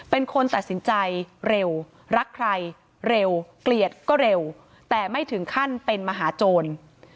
เป็นคนตัดสินใจเร็วรักใครเร็วเกลียดก็เร็วแต่ไม่ถึงขั้นเป็นมหาโจร